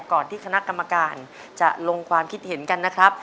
ที่คณะกรรมการจะลงความคิดเห็นกันนะครับ